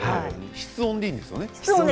室温でいいんですね。